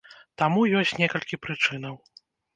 Таму ёсць некалькі прычынаў.